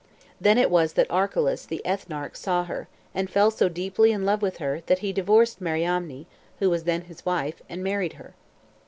Then it was that Archelaus, the ethnarch, saw her, and fell so deeply in love with her, that he divorced Mariamne, who was then his wife, and married her.